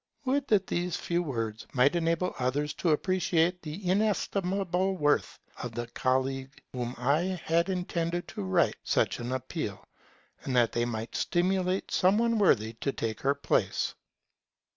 Would that these few words might enable others to appreciate the inestimable worth of the colleague whom I had intended to write such an appeal; and that they might stimulate some one worthy to take her place!